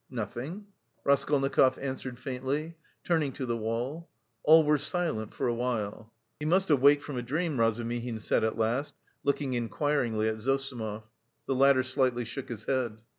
"Nothing," Raskolnikov answered faintly, turning to the wall. All were silent for a while. "He must have waked from a dream," Razumihin said at last, looking inquiringly at Zossimov. The latter slightly shook his head.